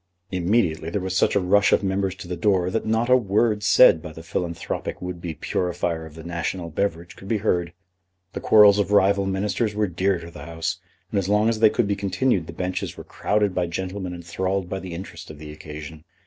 Immediately there was such a rush of members to the door that not a word said by the philanthropic would be purifier of the national beverage could be heard. The quarrels of rival Ministers were dear to the House, and as long as they could be continued the benches were crowded by gentlemen enthralled by the interest of the occasion.